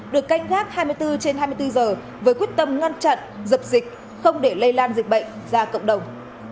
được canh gác hai mươi bốn trên hai mươi bốn giờ với quyết tâm ngăn chặn dập dịch không để lây lan dịch bệnh ra cộng đồng